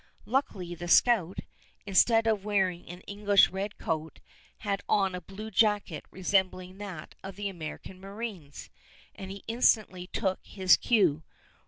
Luckily the scout, instead of wearing an English red coat, had on a blue jacket resembling that of the American marines, and he instantly took his cue.